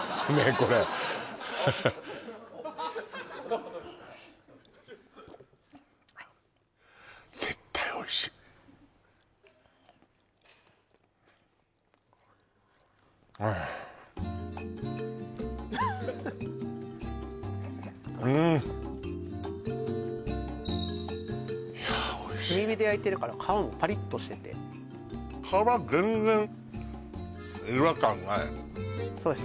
これああうんいやおいしい炭火で焼いてるから皮もパリッとしてて皮全然違和感ないそうです